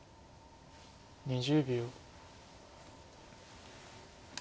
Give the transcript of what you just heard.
２０秒。